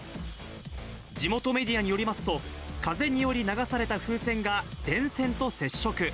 地元メディアによりますと、風により流された風船が電線と接触。